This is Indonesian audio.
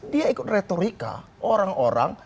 dia ikut retorika orang orang